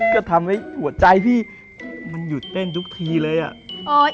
ก็ทำให้หัวใจพี่มันหยุดเต้นทุกทีเลยอ่ะ